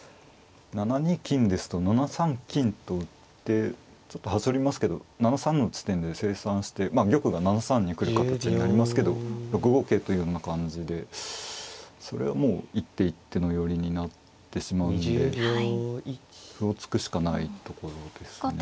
７二金ですと７三金と打ってちょっとはしょりますけど７三の地点で清算してまあ玉が７三に来る形になりますけど６五桂というような感じでそれはもう一手一手の寄りになってしまうんで歩を突くしかないところですね。